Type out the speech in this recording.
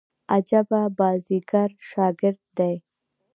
عجبه بازيګر شاګرد دئ.